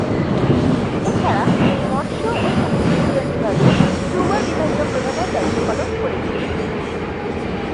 এছাড়া তিনি মৎস্য ও সমুদ্র বিজ্ঞান বিভাগের দুবার বিভাগীয় প্রধানের দায়িত্ব পালন করেছিলেন।